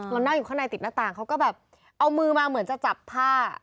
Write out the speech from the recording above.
เรานั่งอยู่ข้างในติดหน้าต่างเขาก็แบบเอามือมาเหมือนจะจับผ้า